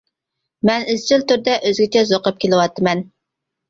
مەن ئىزچىل تۈردە ئۆزگىچە زوق ئېلىپ كېلىۋاتىمەن.